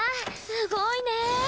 すごいね！